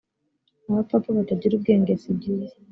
abapfapfa batagira ubwenge sibyiza